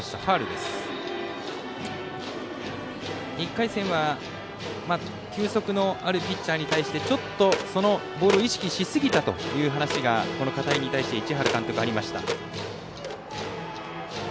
１回戦は球速のあるピッチャーに対してちょっと、そのボールを意識しすぎたという話がこの片井に対して市原監督ありました。